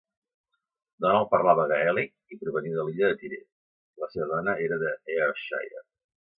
Donald parlava gaèlic i provenia de l'illa de Tiree; la seva dona era d'Ayrshire.